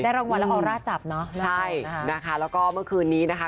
ได้รางวัลแล้วเอาราดจับเนอะนั่นแหละค่ะนะคะค่ะแล้วก็เมื่อคืนนี้นะคะ